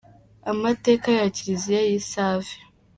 Amateka ya Kiliziya y’i Save